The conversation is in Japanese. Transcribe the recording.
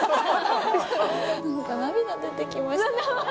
なんか涙出てきました。